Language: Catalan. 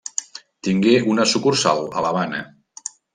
Tingué una sucursal a l'Havana.